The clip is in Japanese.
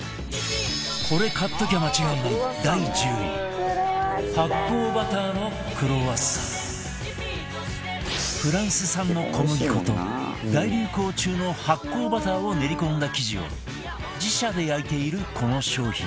これ買っときゃ間違いないフランス産の小麦粉と大流行中の発酵バターを練り込んだ生地を自社で焼いているこの商品